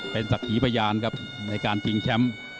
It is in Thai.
เป็นศักดิ์ขีพยานครับในการชิงแชมป์